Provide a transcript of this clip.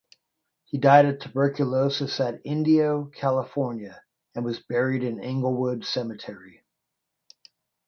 He died of tuberculosis at Indio, California, and was buried in Inglewood Cemetery.